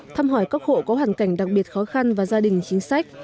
thăm hỏi các hộ có hoàn cảnh đặc biệt khó khăn và gia đình chính sách